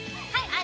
はい。